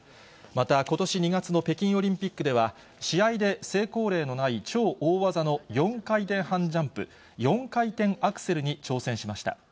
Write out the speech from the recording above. また、ことし２月の北京オリンピックでは、試合で成功例のない超大技の４回転半ジャンプ、４回転アクセルに挑戦しました。